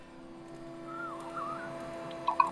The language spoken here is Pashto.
هغه د باران په ورېدو سره خپلې زراعتي ځمکې ته د اوبو لاره کړه.